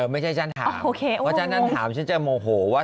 ไม่ใช่ฉันถามเพราะฉะนั้นถามฉันจะโมโหว่า